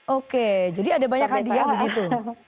oke jadi ada banyak hadiah begitu